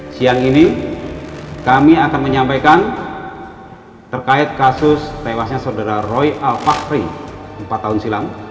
siang ini kami akan menyampaikan terkait kasus tewasnya saudara roy al fahri empat tahun silam